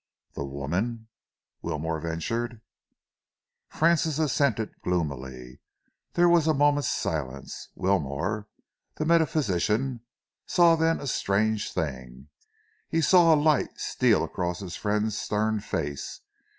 "The woman?" Wilmore ventured. Francis assented gloomily. There was a moment's silence. Wilmore, the metaphysician, saw then a strange thing. He saw a light steal across his friend's stern face.